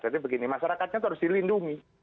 jadi begini masyarakatnya harus dilindungi